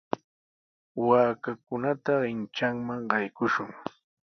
Waakakunata kanchanman qaykushun.